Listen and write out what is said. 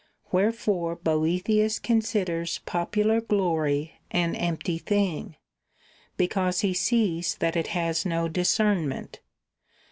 Where fore Boethius considers popular glory an empty thing, because he sees that it has no discernment.